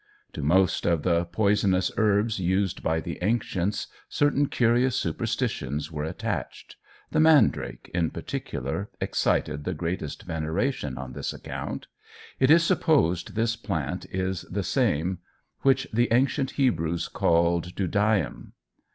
To most of the poisonous herbs used by the ancients certain curious superstitions were attached. The mandrake, in particular, excited the greatest veneration on this account. It is supposed this plant is the same which the ancient Hebrews called Dudaïm.